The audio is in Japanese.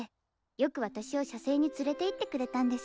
よく私を写生に連れていってくれたんです。